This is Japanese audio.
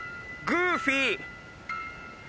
グーフィー。